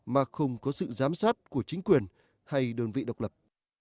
mà không có sự giám sát của chính quyền hay đơn vị độc lập